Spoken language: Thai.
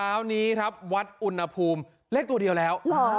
เช้านี้วัดอุณภูมิเลขตัวเดียวแล้ว